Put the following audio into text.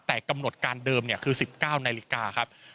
แต่กำหนดการเดิมคือ๑๙นาฬิกาครับ